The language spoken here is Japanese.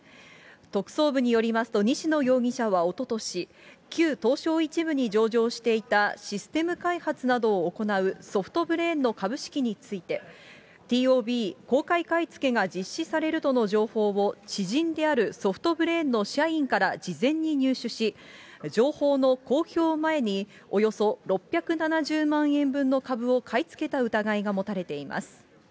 特捜部によりますと、西野容疑者はおととし、旧東証１部に上場していたシステム開発などを行うソフトブレーンの株式について、ＴＯＢ・公開買い付けが実施されるとの情報を知人であるソフトブレーンの社員から事前に入手し、情報の公表前に、およそ６７０万円分の株を買い付けた疑いが持たれています。